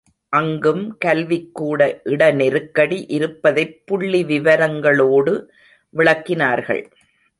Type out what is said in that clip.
அங்கும் கல்விக்கூட இட நெருக்கடி இருப்பதைப் புள்ளி விவரங்களோடு விளக்கினார்கள்.